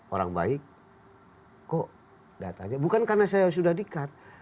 orang baik kok datanya bukan karena saya sudah di cut